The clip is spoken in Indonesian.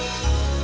sampai jumpa lagi